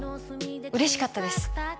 嬉しかったです